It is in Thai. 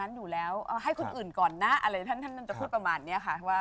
ให้คนอื่นก่อนนะท่านจะพูดประมาณนี้ค่ะ